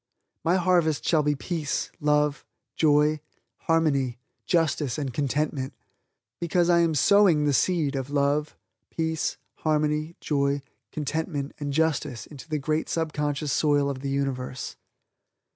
My harvest shall be peace, love, joy, harmony, justice and contentment, because I am sowing the seed of love, peace, harmony, joy, contentment and justice into the great subconscious soil of the universe.